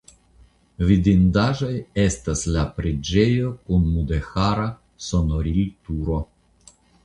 Vidindaĵoj estas la preĝejo kun mudeĥara sonorilturo.